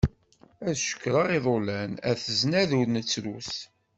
Ad cekkreɣ iḍulan, at znad ur nettrus.